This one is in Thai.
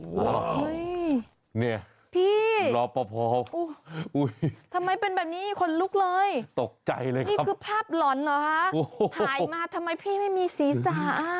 ว้าวพี่รปภทำไมเป็นแบบนี้คนลุกเลยนี่คือภาพหล่อนเหรอฮะถ่ายมาทำไมพี่ไม่มีสีสา